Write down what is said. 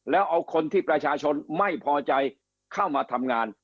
แล้วเอาคนที่ประชาชนไม่พอใจเข้ามาทำงาน